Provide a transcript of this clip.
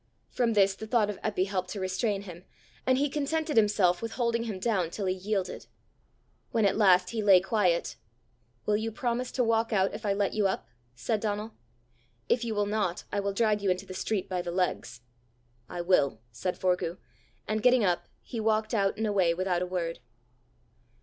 From this the thought of Eppy helped to restrain him, and he contented himself with holding him down till he yielded. When at last he lay quiet, "Will you promise to walk out if I let you up?" said Donal. "If you will not, I will drag you into the street by the legs." "I will," said Forgue; and getting up, he walked out and away without a word.